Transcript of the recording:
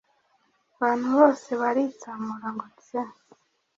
Abantu bose baritsamura ngo tse